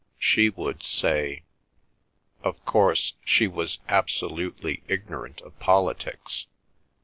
She would say—of course she was absolutely ignorant of politics.